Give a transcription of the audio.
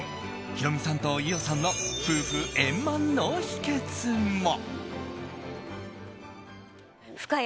ヒロミさんと伊代さんの夫婦円満の秘訣も。